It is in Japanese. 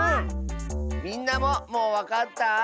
みんなももうわかった？